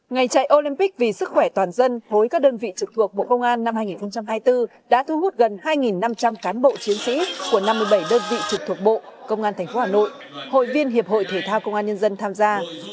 ngày chạy olympic vì sức khỏe toàn dân khối các đơn vị trực thuộc bộ công an năm hai nghìn hai mươi bốn đã thu hút gần hai năm trăm linh cán bộ chiến sĩ của năm mươi bảy đơn vị trực thuộc bộ công an tp hà nội hội viên hiệp hội thể thao công an nhân dân tham gia